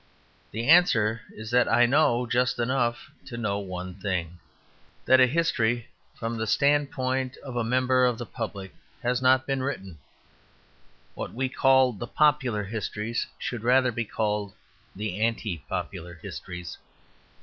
The answer is that I know just enough to know one thing: that a history from the standpoint of a member of the public has not been written. What we call the popular histories should rather be called the anti popular histories.